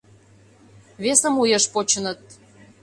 Весым уэш почыныт.